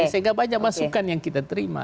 sehingga banyak masukan yang kita terima